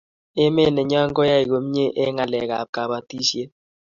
emet nenyon koae komie eng ngalek ab kabatishiet